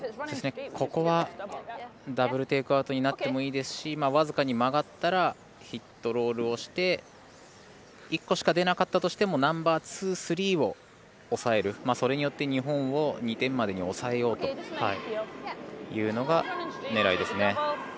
ここはダブル・テイクアウトになってもいいですし僅かに曲がったらヒットロールをして１個しか出なかったとしてもナンバーワン、ツー、スリーを抑える、それによって日本を２点までに抑えようというのが狙いですね。